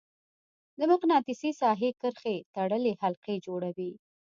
د مقناطیسي ساحې کرښې تړلې حلقې جوړوي.